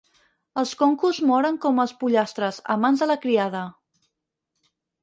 Els concos moren com els pollastres, a mans de la criada.